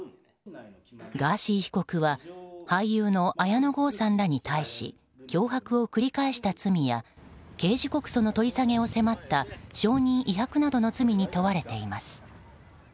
ガーシー被告は俳優の綾野剛さんらに対し脅迫を繰り返した罪や刑事告訴の取り下げを迫った証人威迫などの罪に問われています。